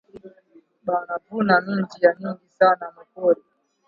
Bana vuna minji ya mingi sana mu pori